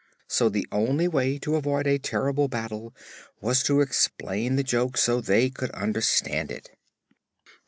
So the only way to avoid a terrible battle was to explain the joke so they could understand it.